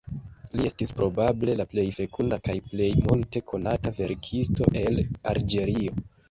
Li estis probable la plej fekunda kaj plej multe konata verkisto el Alĝerio.